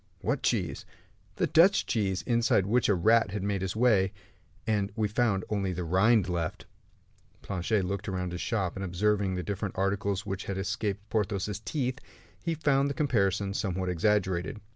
"What cheese?" "The Dutch cheese, inside which a rat had made his way, and we found only the rind left." Planchet looked all round his shop, and observing the different articles which had escaped Porthos's teeth, he found the comparison somewhat exaggerated.